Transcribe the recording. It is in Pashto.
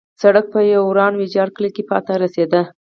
سړک په یو وران ویجاړ کلي کې پای ته رسېده.